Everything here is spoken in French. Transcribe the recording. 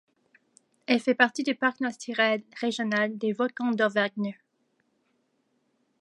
Elle fait partie du parc naturel régional des volcans d'Auvergne.